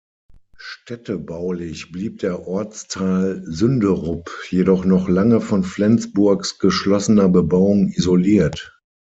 Städtebaulich blieb der Ortsteil Sünderup jedoch noch lange von Flensburgs geschlossener Bebauung isoliert.